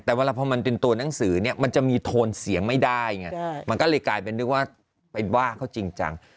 แต่เวลาพอมันเป็นตัวหนังสือเนี่ยมันจะมีโทนเสียงไม่ได้ไงมันก็เลยกลายเป็นนึกว่าไปว่าเขาจริงจัง